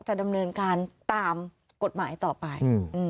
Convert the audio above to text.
ดำเนินการตามกฎหมายต่อไป